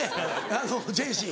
あのジェシー。